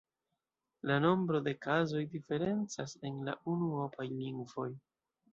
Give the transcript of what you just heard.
La nombro de kazoj diferencas en la unuopaj lingvoj.